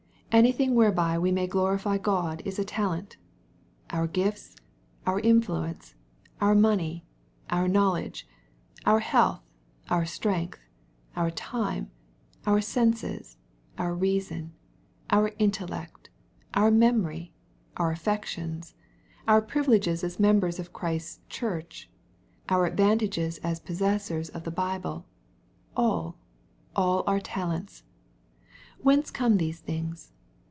(^Anything whereby we may glorify God is a talent.^ V MATTHEW, CHAP. XXV. 337. Oar gifts, our influence, our money, our knowledge, our health, our strength, our time, our senses, our reason, our intellect, our memory, our affections, our privileges as members of Christ's Church, our advanta ges as possessors of the Bible, — ^all, all are talents. Whence came these things